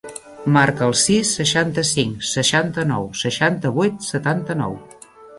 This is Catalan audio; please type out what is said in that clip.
Marca el sis, seixanta-cinc, seixanta-nou, seixanta-vuit, setanta-nou.